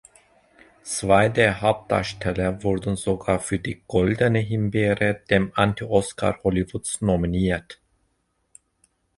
Zwei der Hauptdarsteller wurden sogar für die Goldene Himbeere, dem „Anti-Oscar“ Hollywoods, nominiert.